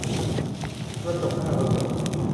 กระจกหน้ารถยนต์